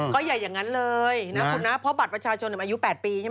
ก็อย่าอย่างนั้นเลยนะคุณนะเพราะบัตรประชาชนอายุ๘ปีใช่ไหม